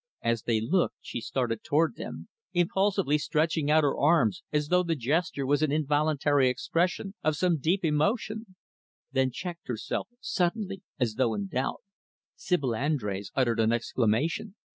As they looked, she started toward them, impulsively stretching out her arms, as though the gesture was an involuntary expression of some deep emotion, then checked herself, suddenly as though in doubt. Sibyl Andrés uttered an exclamation.